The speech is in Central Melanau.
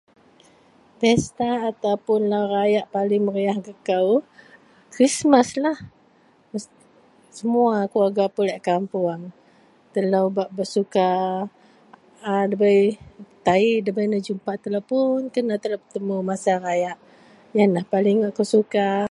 Pesta ataupun lau rayak paling meriyah gak kou Krismaslah. Me.. Semua keluwerga pulik kapuong. Telou bak besuka a ndabei tayi nda nejupak telou pun kena telou betemu masa rayak. Yenlah paling akou suka.